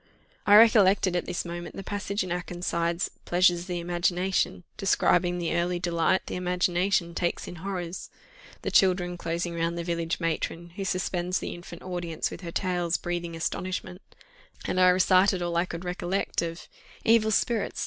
I recollected at this moment the passage in Akenside's "Pleasures of the Imagination" describing the early delight the imagination takes in horrors: the children closing round the village matron, who suspends the infant audience with her tales breathing astonishment; and I recited all I recollected of "Evil spirits!